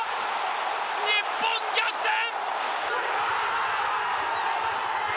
日本、逆転！